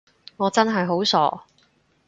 我真係好傻